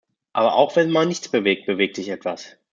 Aber auch wenn man nichts bewegt, bewegt sich etwas.